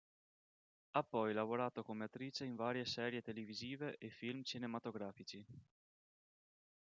Ha poi lavorato come attrice in varie serie televisive e film cinematografici.